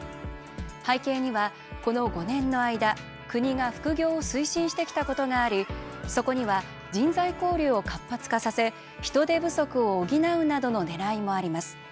背景には、この５年の間国が副業を推進してきたことがありそこには、人材交流を活発化させ人手不足を補うなどのねらいもあります。